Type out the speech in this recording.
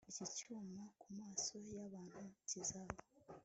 Iki cyuma kumaso yabantu kizaba